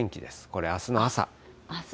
これ、あすの朝。